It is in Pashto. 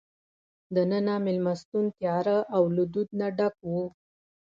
دننه مېلمستون تیاره او له دود نه ډک وو.